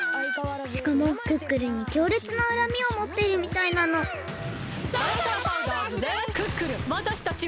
しかもクックルンにきょうれつなうらみをもっているみたいなのクックルンわたしたちはあなたたちをゆるしませんよ！